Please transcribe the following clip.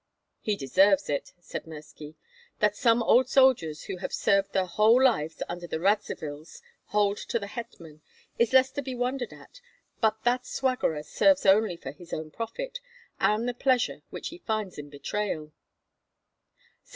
"He deserves it," said Mirski. "That some old soldiers who have served their whole lives under the Radzivills hold to the hetman, is less to be wondered at; but that swaggerer serves only for his own profit, and the pleasure which he finds in betrayal."